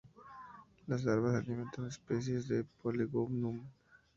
Las larvas se alimentan de especies de "Polygonum".